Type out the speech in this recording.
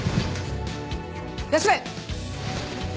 休め！